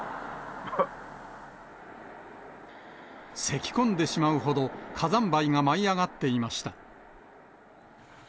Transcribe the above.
せきこんでしまうほど、火山灰が舞い上がっていました。